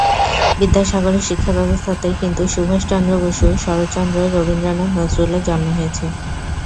বিদ্যাসাগরের শিক্ষাব্যবস্থাতেই কিন্তু সুভাষ চন্দ্র বসু, শরৎচন্দ্র, রবীন্দ্রনাথ, নজরুলের জন্ম হয়েছে।